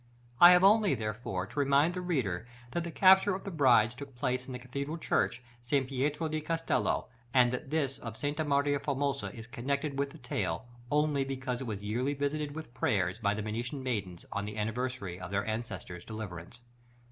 I have only, therefore, to remind the reader that the capture of the brides took place in the cathedral church, St. Pietro di Castello; and that this of Santa Maria Formosa is connected with the tale, only because it was yearly visited with prayers by the Venetian maidens, on the anniversary of their ancestors' deliverance.